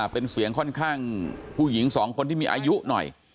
เป็นเสียงค่อนข้างผู้หญิงสองคนที่มีอายุหน่อย